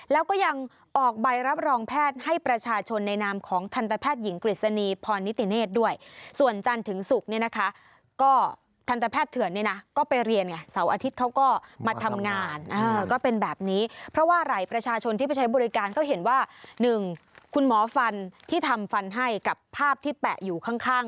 แล้วก็ยังออกใบรับรองแพทย์ให้ประชาชนในนามของทันตแพทย์หญิงกฤษณีพรนิติเนธด้วยส่วนจันทร์ถึงศุกร์เนี่ยนะคะก็ทันตแพทย์เถื่อนเนี่ยนะก็ไปเรียนไงเสาร์อาทิตย์เขาก็มาทำงานก็เป็นแบบนี้เพราะว่าหลายประชาชนที่ไปใช้บริการก็เห็นว่า๑คุณหมอฟันที่ทำฟันให้กับภาพที่แปะอยู่ข้าง